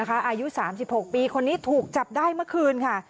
อายุ๓๖ปีคนนี้ถูกจับได้เมื่อคืนค่ะ